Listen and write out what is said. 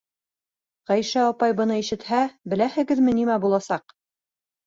Ғәйшә апай быны ишетһә, беләһегеҙме нимә буласаҡ?